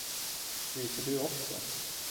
Fryser du också?